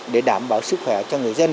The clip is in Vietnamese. để đảm bảo sức khỏe cho người dân